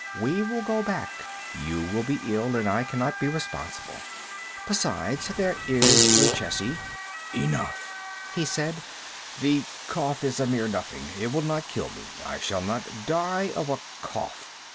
We will go back; you will be ill, and I cannot be responsible. Besides, there is Luchesi—" "Enough," he said; "the cough is a mere nothing; it will not kill me. I shall not die of a cough."